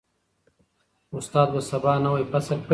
استاد به سبا نوی فصل پیل کړي.